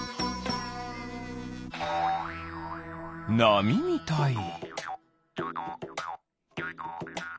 なみみたい？